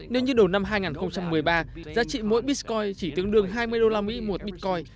nếu như đầu năm hai nghìn một mươi ba giá trị mỗi bitcoin chỉ tương đương hai mươi đô la mỹ một bitcoin